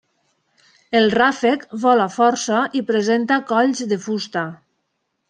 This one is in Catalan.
El ràfec vola força i presenta colls de fusta.